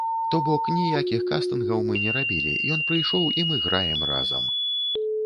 То бок, ніякіх кастынгаў мы не рабілі, ён прыйшоў і мы граем разам!